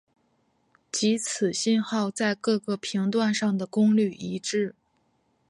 即此信号在各个频段上的功率一致。